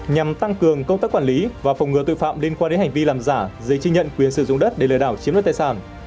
nhằm tăng cường công tác quản lý và phòng ngừa tội phạm liên quan đến hành vi làm giả giấy chứng nhận quyền sử dụng đất để lừa đảo chiếm đất tài sản